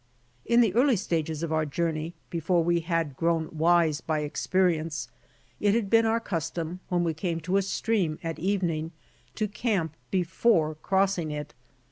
In the early stages of our journey before we had. grown wise by experience, it had been our custom when J we came to a stream at evening to camp before crossing it.